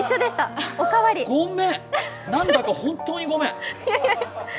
ごめん何だか本当にごめん。